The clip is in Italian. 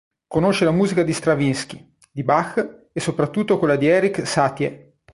Conosce la musica di Stravinskij, di Bach e soprattutto quella di Erik Satie.